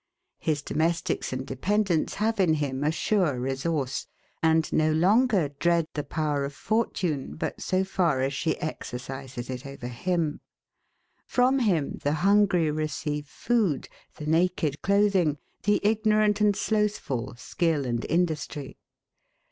His domestics and dependants have in him a sure resource; and no longer dread the power of fortune, but so far as she exercises it over him. From him the hungry receive food, the naked clothing, the ignorant and slothful skill and industry.